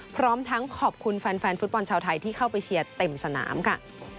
พร้อมทั้งขอบคุณแฟนฟุตบอลชาวไทยที่เข้าไปเชียร์เต็มสนามค่ะ